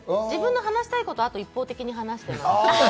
自分の話したいことを一方的に話しています。